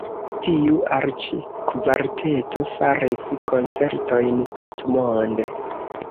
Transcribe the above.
Tiu arĉkvarteto faris koncertojn tutmonde.